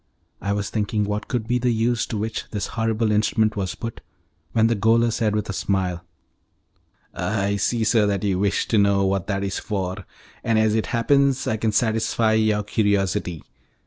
I was thinking what could be the use to which this horrible instrument was put, when the gaoler said, with a smile, "I see, sir, that you wish to know what that is for, and as it happens I can satisfy your curiosity.